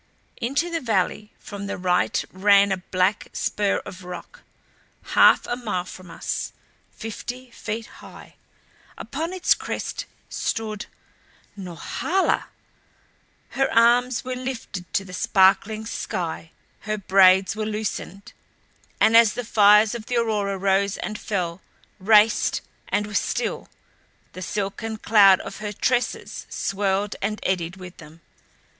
Into the valley from the right ran a black spur of rock, half a mile from us, fifty feet high. Upon its crest stood Norhala! Her arms were lifted to the sparkling sky; her braids were loosened and as the fires of the aurora rose and fell, raced and were still, the silken cloud of her tresses swirled and eddied with them.